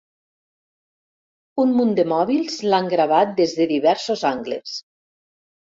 Un munt de mòbils l'han gravat des de diversos angles.